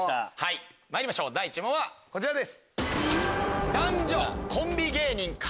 まいりましょう第１問はこちらです。